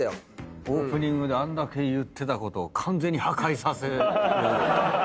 オープニングであんだけ言ってたことを完全に破壊させる。